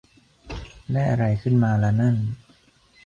ได้อะไรขึ้นมาละนั่น